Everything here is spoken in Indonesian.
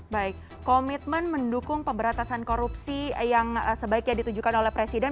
baik komitmen mendukung pemberantasan korupsi yang sebaiknya ditujukan oleh presiden